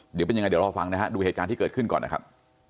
เดี๋ยวเป็นยังไงเดี๋ยวรอฟังนะฮะดูเหตุการณ์ที่เกิดขึ้นก่อนนะครับ